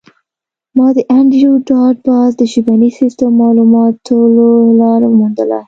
ما د انډریو ډاټ باس د ژبني سیستم ماتولو لار وموندله